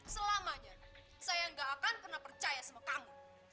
selamanya saya gak akan pernah percaya sama kamu